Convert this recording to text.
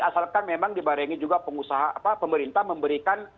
asalkan memang dibarengi juga pengusaha pemerintah memberikan